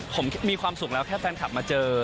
ผมมีความสุขแล้วแค่แฟนคลับมาเจอ